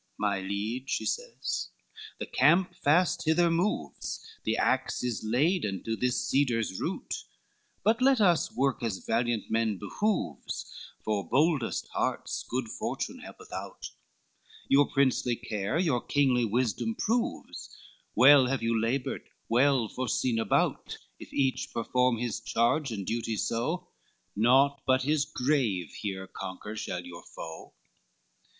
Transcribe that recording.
III "My liege," he says, "the camp fast hither moves, The axe is laid unto this cedar's root, But let us work as valiant men behoves, For boldest hearts good fortune helpeth out; Your princely care your kingly wisdom proves, Well have you labored, well foreseen about; If each perform his charge and duty so, Nought but his grave here conquer shall your foe.